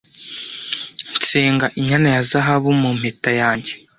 nsenga inyana ya zahabu mu mpeta yanjye